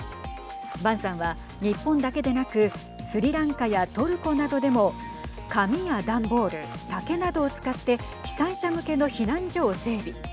坂さんは、日本だけでなくスリランカやトルコなどでも紙や段ボール、竹などを使って被災者向けの避難所を整備。